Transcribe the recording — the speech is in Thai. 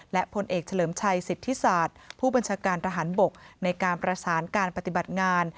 และพลเอกเฉลิมชัยสิทธิศาสตร์ผู้บัญชาการทหารบกในการประสานการปฏิบัติงาน